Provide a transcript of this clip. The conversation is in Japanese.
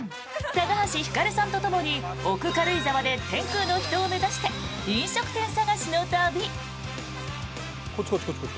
高橋ひかるさんとともに奥軽井沢で天空の秘湯を目指して飲食店探しの旅。